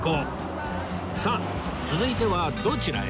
さあ続いてはどちらへ？